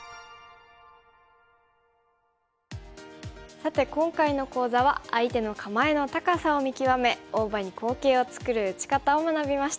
さて今回の講座は相手の構えの高さを見極め大場に好形を作る打ち方を学びました。